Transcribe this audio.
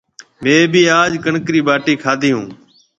ميه بي آج ڪڻڪ رِي ٻاٽِي کادِي هون